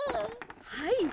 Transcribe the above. はい。